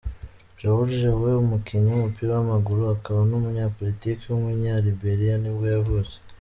George Weah, umukinnyi w’umupira w’amaguru akaba n’umunyapolitiki w’umunyaliberia nibwo yavutse.